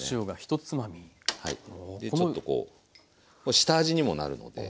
ちょっとこう下味にもなるので。